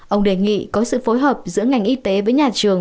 ông đề nghị có sự phối hợp giữa ngành y tế với nhà trường